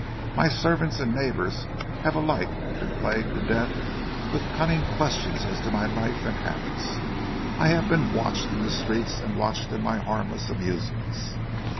My servants and neighbours have alike been plagued to death with cunning questions as to my life and habits. I have been watched in the streets and watched in my harmless amusements.